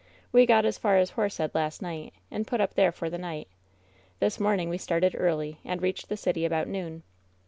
We got as far as Horsehead last night, and put up there for the night. This morning we started early, and reached the city about noon.